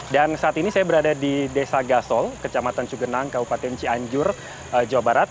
dan saat ini saya berada di desa gasol kecamatan cugenang kabupaten cianjur jawa barat